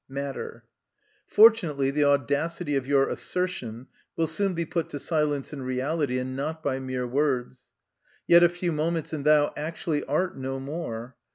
Matter. Fortunately the audacity of your assertion will soon be put to silence in reality and not by mere words. Yet a few moments and thou actually art no more.